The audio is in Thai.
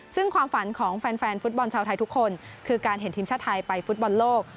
ซึ่งความฝันของแฟนฟุตบอลชาวไทยทุกคนคือการเห็นทีมชาติไทยไปฟุตบอลโลก